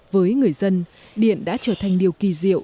với người dân điện đã trở thành điều kỳ diệu